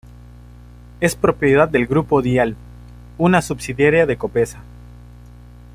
Es propiedad del Grupo Dial, una subsidiaria de Copesa.